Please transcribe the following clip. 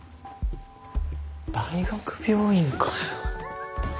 大学病院かよ。